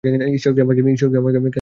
ঈশ্বর কি আমাকে ক্যান্সার দিয়েছেন?